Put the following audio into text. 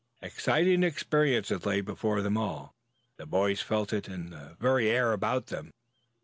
Exciting experiences lay before them all. The boys felt it in the very air about them.